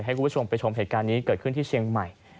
ให้คุณผู้ชมไปชมเหตุการณ์นี้เกิดขึ้นที่เชียงใหม่